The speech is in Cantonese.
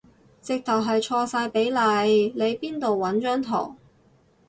直頭係錯晒比例，你邊度搵張圖